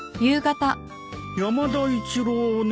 山田一郎ね